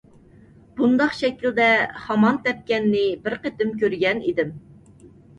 بۇنداق شەكىلدە خامان تەپكەننى بىر قېتىم كۆرگەن ئىدىم.